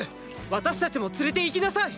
私たちも連れて行きなさい！！